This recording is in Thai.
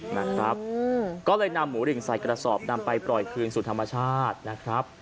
นะครับก็เลยนำหมูริงใส่กระสอบนำไปปล่อยคืนสู่ธรรมชาตินะครับ